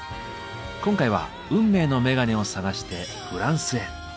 今回は運命のメガネを探してフランスへ。